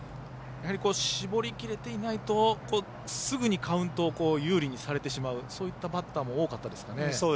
絞りきれていないとすぐにカウントを有利にされてしまうそういったバッターも多かったですかね。